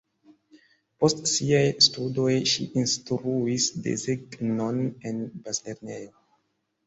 Post siaj studoj ŝi insrtruis desegnon en bazlernejo.